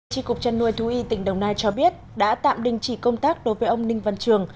trị cục chăn nuôi thú y tỉnh đồng nai cho biết đã tạm đình chỉ công tác đối với ông ninh văn trường